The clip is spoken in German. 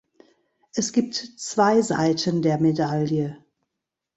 Es gibt zwei Seiten der Medaille.